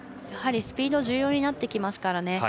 やはりスピード重要になってきますからね。